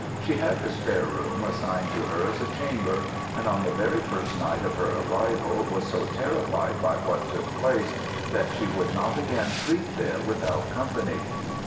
She had the spare room assigned to her as a chamber, and on the very first night of her arrival was so terrified by what took place that she would not again sleep there without company.